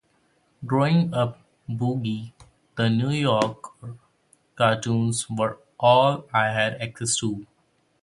Growing up bougie, the New Yorker cartoons were all I had access to.